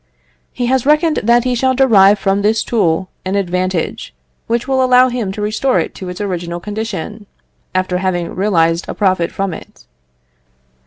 He has reckoned that he shall derive from this tool an advantage, which will allow him to restore it in its original condition, after having realised a profit from it.